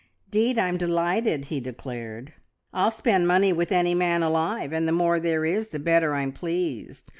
"'Deed, I'm delighted!" he declared. "I'll spend money with any man alive, and the more there is, the better I'm pleased.